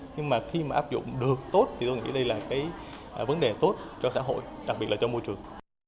nhưng mà khi mà áp dụng được tốt thì tôi nghĩ đây là cái vấn đề tốt cho xã hội đặc biệt là cho môi trường